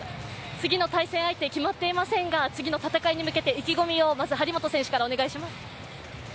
次の対戦相手、決まっていませんが、次の戦いに向けて意気込みをお願いします。